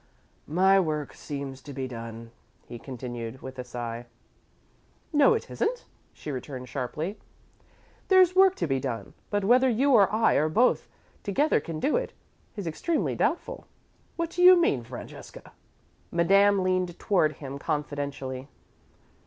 My work seems to be done," he continued, with a sigh. "No, it isn't," she returned, sharply. "There's work to be done, but whether you or I or both together can do it, is extremely doubtful." "What do you mean, Francesca?" Madame leaned toward him confidentially.